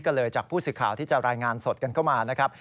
ก็เลยจากผู้สื่อข่าวที่จะรายงานสดกันเข้ามานะครับ